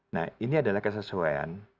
nah ini adalah kesesuaian